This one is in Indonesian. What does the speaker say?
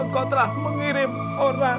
engkau telah mengirim orang